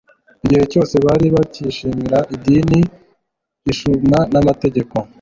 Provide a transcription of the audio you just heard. Igihe cyose bari bacyishimira idini ishunwa n'amategeko,